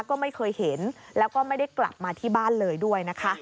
ก็ไม่เคยเห็นแล้วก็ไม่ได้กลับมาที่บ้านเลยด้วยนะคะ